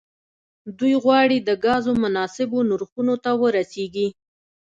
دوی غواړي د ګازو مناسبو نرخونو ته ورسیږي